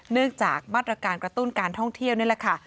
เนื่องจากมาตรการกระตุ้นการท่องเที่ยวนี่แหละค่ะ